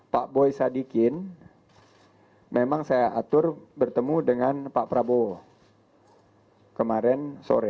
pak boy sadikin memang saya atur bertemu dengan pak prabowo kemarin sore